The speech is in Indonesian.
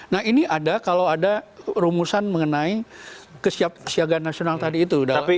nah ini ada kalau ada rumusan mengenai kesiagaan nasional tadi itu